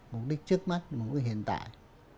mục đích trước mắt mục đích hiện tại